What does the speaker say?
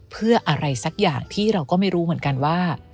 เพื่ออะไรสักอย่างที่เราก็ไม่รู้เหมือนกันว่า